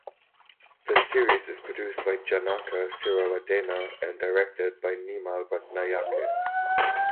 The series is produced by Janaka Siriwardena and directed by Nimal Ratnayake.